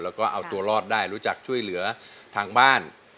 แล้วก็เอาตัวรอดได้รู้จักช่วยเหลือทางบ้าน